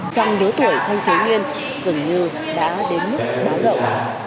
trăng đứa tuổi thanh thế nguyên dường như đã đến mức báo động